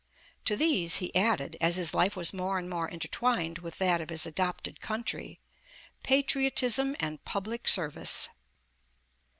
To these, he added, as his life was more and more intertwined with that of his adopted country, — patriotism and public service.